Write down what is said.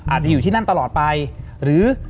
อาจจะอยู่ที่นั่นตลอดไปหรือ